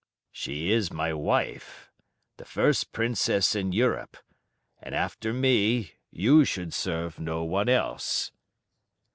"She is my wife, the first Princess in Europe, and after me you should serve no one else."